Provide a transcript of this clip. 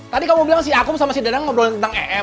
tadi kamu bilang si akum sama si dada ngobrolin tentang em